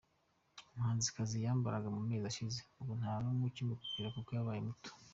muhanzikazi yambaraga mu mezi ashize ubu nta numwe ukimukwira kuko yabaye muto.